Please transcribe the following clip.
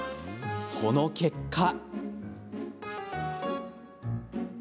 その結果。